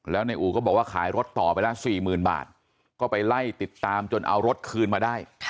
แล้วในอู่ก็บอกว่าขายรถต่อไปละ๔๐๐๐บาทก็ไปไล่ติดตามจนเอารถคืนมาได้